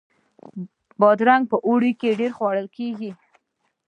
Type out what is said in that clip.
بادرنګ په اوړي کې ډیر خوړل کیږي